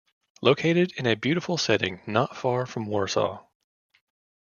Located in a beautiful setting not far from Warsaw.